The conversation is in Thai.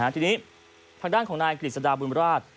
ทีนี้ทางด้านของนายกฤษฎาบุญราช